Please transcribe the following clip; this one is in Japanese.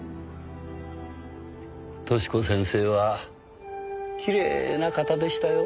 寿子先生はきれいな方でしたよ。